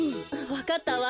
わかったわ。